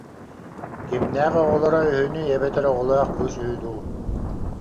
Кимнээх оҕолоро үһүнүй эбэтэр оҕолоох кыыс үһү дуу